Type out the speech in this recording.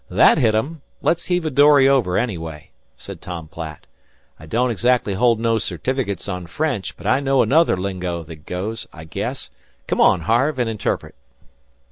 "That hit 'em. Let's heave a dory over, anyway," said Tom Platt. "I don't exactly hold no certificates on French, but I know another lingo that goes, I guess. Come on, Harve, an' interpret."